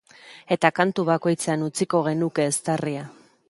Eta kantu bakoitzean utziko genuke eztarria.